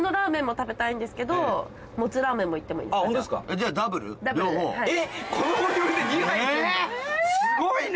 すごいな！